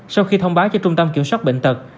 sau khi thông báo cho trung tâm kiểm soát bệnh tật